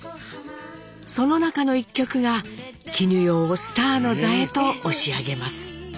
その中の１曲が絹代をスターの座へと押し上げます。